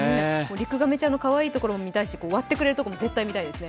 リクガメちゃんのかわいいところも見たいし割ってくれるところも絶対見たいですね。